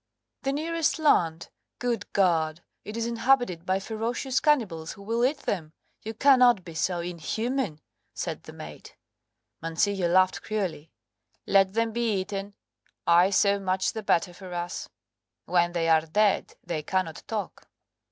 "The nearest land! Good God! it is inhabited by ferocious cannibals who will eat them! You cannot be so inhuman!" said the mate. Mancillo laughed cruelly "Let them be eaten I so much the better for us. When they are dead they cannot talk."